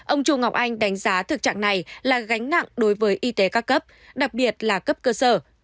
ông chu ngọc anh đánh giá thực trạng này là gánh nặng đối với y tế các cấp đặc biệt là cấp cơ sở